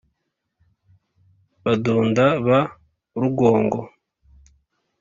badunda ba rugongo